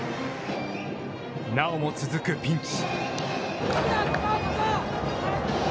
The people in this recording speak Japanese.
なおも続くピンチ。